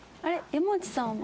山内さんは？